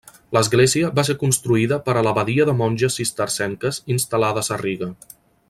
L'església va ser construïda per a l'abadia de monges cistercenques instal·lades a Riga.